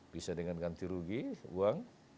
bisa dengan ganti rugi uang